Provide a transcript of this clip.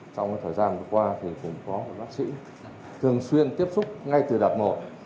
trong thời gian vừa qua thì cũng có một bác sĩ thường xuyên tiếp xúc ngay từ đợt một